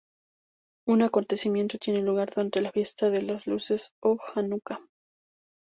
Un acontecimiento tiene lugar durante la fiesta de las luces o Janucá.